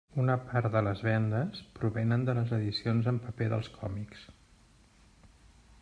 Una part de les vendes provenen de les edicions en paper dels còmics.